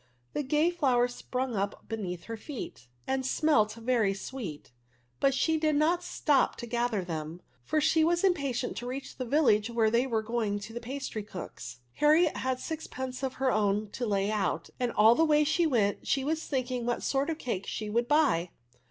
The gay flowers sprung up beneath her feeti t 86 ADVERfi$. end smelt very sweet ; but she did not stop to gather them, for she was impatient to reach the village where they were going to the pastry cook*s. Harriet had sixpence of her own to lay out, and aU the way she went she was thinking what sort of cakes she would buy.